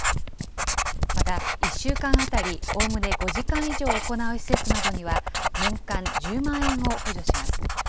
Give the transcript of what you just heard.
また、１週間当たりおおむね５時間以上行う施設などには、年間１０万円を補助します。